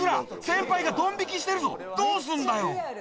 先輩がドン引きしてるぞどうすんだよ！